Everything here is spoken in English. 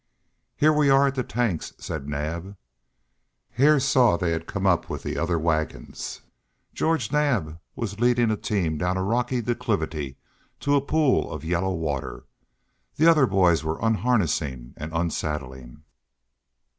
"Here we are at the tanks," said Naab. Hare saw that they had come up with the other wagons. George Naab was leading a team down a rocky declivity to a pool of yellow water. The other boys were unharnessing and unsaddling.